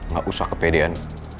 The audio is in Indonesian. gak usah kepedean